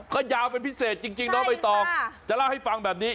ก็ยาวเป็นพิเศษจริงน้องใบตองจะเล่าให้ฟังแบบนี้